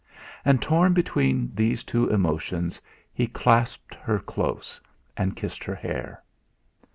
And torn between these two emotions he clasped her close, and kissed her hair.